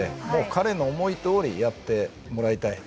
彼の思いどおりやってもらいたい。